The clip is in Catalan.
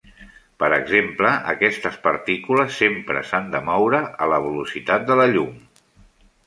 Per exemple, aquestes partícules sempre s'han de moure a la velocitat de la llum.